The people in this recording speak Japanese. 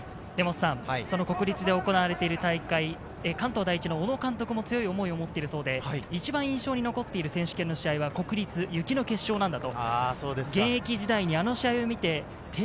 国立で行われている大会、関東第一の小野監督も強い思いを持っているそうで、１番印象に残っている選手権の試合は国立、雪の決勝なんだと。